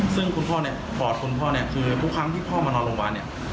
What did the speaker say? ซึ่งคุณพ่อเนี่ยปอดคุณพ่อเนี่ยคือทุกครั้งที่พ่อมานอนโรงพยาบาลเนี่ย